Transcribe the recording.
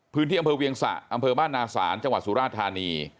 พื้นที่อำเภอเวียงสะอำเภอบ้านนาศาลจังหวัดสุราธานี